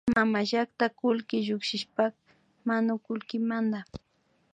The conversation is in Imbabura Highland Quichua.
Mamallakta kullki llukshishkapak manukullkimanta